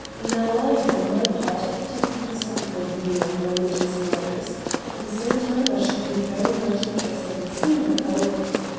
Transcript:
Now I, for my part, take a philosophical view of religious matters. At the same time I should be very much interested in seeing the Pope...."